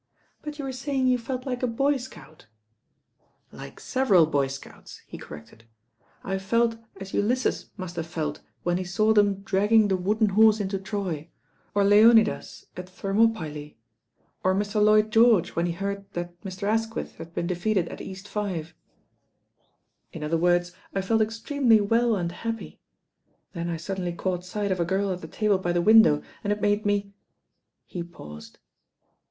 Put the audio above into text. "But you were saying you felt like a boy scout " "Like several boy scouts," he corrected. "I felt as Ulysses must have felt when he saw them drag ging the wooden horse into Troy, or Leonidas at Thermopylae, or Mr. Lloyd George when he heard that Mr. Asquith had been defeated at East Fife; A QUESTION OF ANKLES 185 in other words, I felt extremely well and happy. Then I suddenly caught sight of a girl at the table by the window, and it made me " he paused.